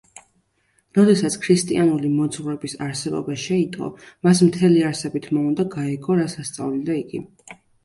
როდესაც ქრისტიანული მოძღვრების არსებობა შეიტყო, მას მთელი არსებით მოუნდა გაეგო, რას ასწავლიდა იგი.